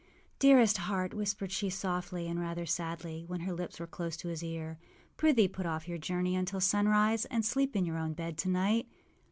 âDearest heart,â whispered she, softly and rather sadly, when her lips were close to his ear, âprithee put off your journey until sunrise and sleep in your own bed to night.